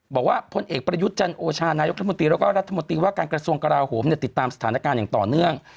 บอกว่าพลเอกประยุทธ์จันโอชานายกรัฐมนตรีแล้วก็รัฐมนตรีว่าการกระทรวงกราโหมติดตามสถานการณ์อย่างต่อเนื่อง